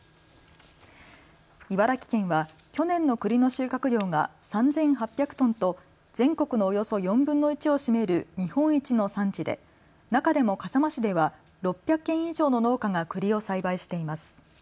茨城県は去年のくりの収穫量が３８００トンと全国のおよそ４分の１を占める日本一の産地で中でも笠間市では６００軒以上の農家がくりを栽培しています。